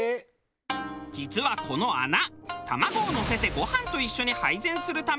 実はこの穴卵をのせてご飯と一緒に配膳するための蓋。